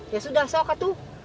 ya sudah sok itu